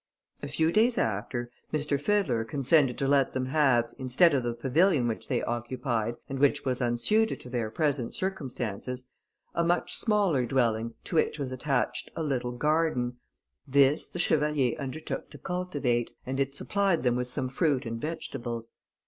A few days after, M. Fiddler consented to let them have, instead of the pavilion which they occupied, and which was unsuited to their present circumstances, a much smaller dwelling, to which was attached a little garden; this the chevalier undertook to cultivate, and it supplied them with some fruit and vegetables.